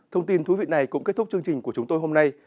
thông tin thú vị này cũng kết thúc chương trình của chúng tôi hôm nay